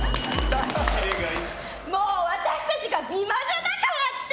もう、私たちが美魔女だからって。